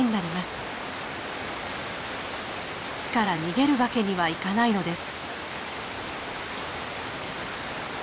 巣から逃げるわけにはいかないのです。